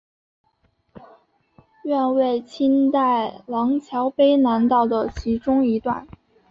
原为清代琅峤卑南道的其中一段。